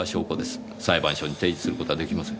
裁判所に提示する事はできません。